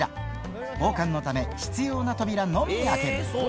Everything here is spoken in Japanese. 防寒のため、必要な扉のみを開ける。